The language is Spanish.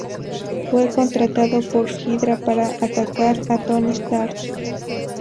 Fue contratado por Hydra para atacar a Tony Stark.